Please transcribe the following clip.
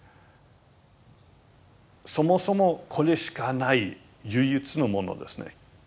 そもそもこれしかない唯一のものですね。